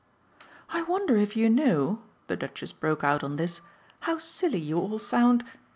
"I wonder if you know," the Duchess broke out on this, "how silly you all sound!